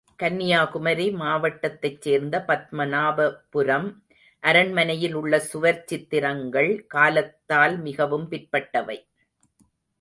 கன்னியாகுமரி மாவட்டத்தைச் சேர்ந்த பத்மநாபபுரம் அரண்மனையில் உள்ள சுவர்ச் சித்திரங்கள் காலத்தால் மிகவும் பிற்பட்டவை.